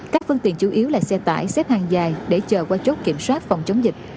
các phương tiện chủ yếu là xe tải xếp hàng dài để chờ qua chốt kiểm soát phòng chống dịch